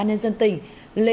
lê văn rẽ